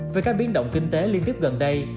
với các biến động kinh tế liên tiếp gần đây